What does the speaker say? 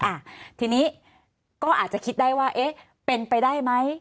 อ่ะทีนี้ก็อาจจะคิดได้ว่าเอ๊ะเป็นไปได้ไหม